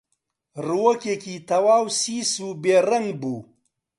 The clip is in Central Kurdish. ڕووەکێکی تەواو سیس و بێڕەنگ بوو